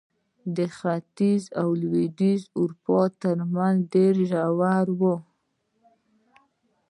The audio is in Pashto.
د ختیځې او لوېدیځې اروپا ترمنځ ډېر ژور و.